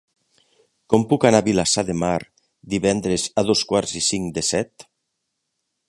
Com puc anar a Vilassar de Mar divendres a dos quarts i cinc de set?